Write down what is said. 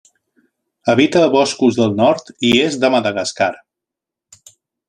Habita boscos del nord i est de Madagascar.